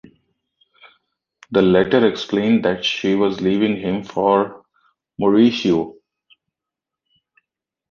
The letter explained that she was leaving him for Mauricio.